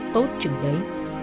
tốt chừng đấy